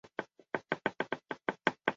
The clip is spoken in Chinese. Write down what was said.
家人让她读幼稚园